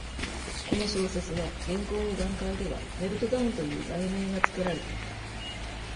この小説は、原稿の段階では「メルトダウン」という題名がつけられていた。